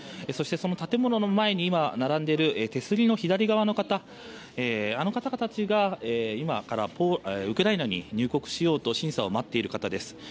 そしてその建物の前に並んでいる手すりの左側の方たちが今からウクライナに入国しようと審査を待っている方です。